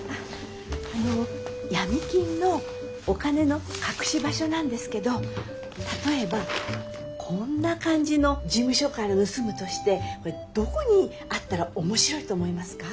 あの闇金のお金の隠し場所なんですけど例えばこんな感じの事務所から盗むとしてこれどこにあったら面白いと思いますか？